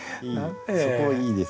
そこいいですね。